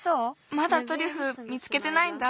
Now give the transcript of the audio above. まだトリュフ見つけてないんだ。